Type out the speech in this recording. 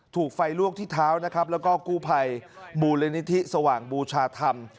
ถูกไฟลวกที่เท้านะครับแล้วก็กู้ภัยมูลนิธิสว่างบูชาธรรม